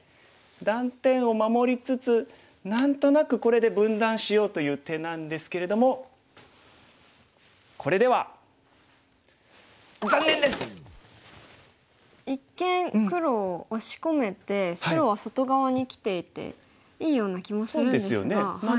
断点を守りつつ何となくこれで分断しようという手なんですけれどもこれでは一見黒を押し込めて白は外側にきていていいような気もするんですが。